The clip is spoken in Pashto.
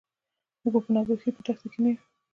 موږ به د ناپوهۍ په دښته کې نه یو.